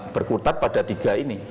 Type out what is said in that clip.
berkutat pada tiga ini